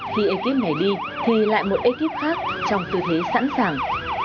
khi ekip này đi thì lại một ekip khác trong tư thế sẵn sàng